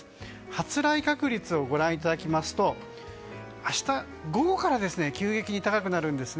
発雷確率をご覧いただきますと明日午後から急激に高くなります。